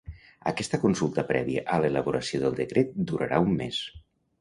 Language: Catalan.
Aquesta consulta prèvia a l’elaboració del decret durarà un mes.